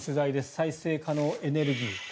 再生可能エネルギー。